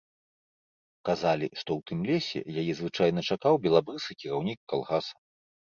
Казалі, што ў тым лесе яе звычайна чакаў белабрысы кіраўнік калгаса.